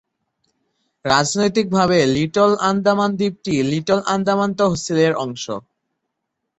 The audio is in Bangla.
রাজনৈতিকভাবে, লিটল আন্দামান দ্বীপটি লিটল আন্দামান তহসিলের অংশ।